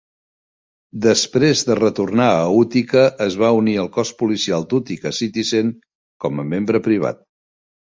Després de retornar a Utica, es va unir al cos policial d"Utica Citizen com a membre privat.